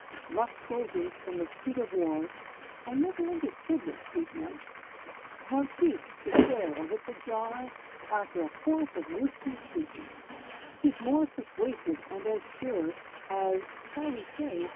Rough soldiers, from the seat of war, (I never understood what "seat" meant) Have ceased to swear or hit the jar After a course of Rooski's treatment. 'Tis more persuasive and as sure As (shall we say?)